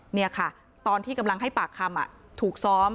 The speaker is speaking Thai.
นี่ค่ะตอนที่กำลังให้ปากคำถูกซ้อม